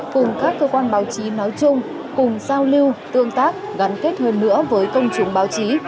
cùng các cơ quan báo chí nói chung cùng giao lưu tương tác gắn kết hơn nữa với công chúng báo chí